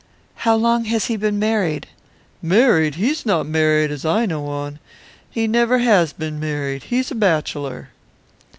"How long has he been married?" "Married! He is not married as I know on. He never has been married. He is a bachelor."